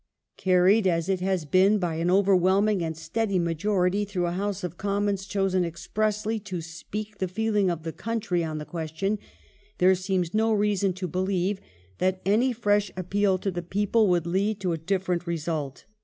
" Carried as it has been by an overwhelming and steady majority through a House of Commons chosen expressly to speak the feeling of the country on the question, there seems no reason to believe that any fresh appeal to the people would lead to a different result.